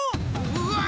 うわ！